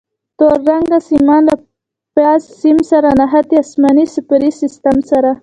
تور رنګ سیمان له فاز سیم سره نښتي، اسماني د صفري سیم سره.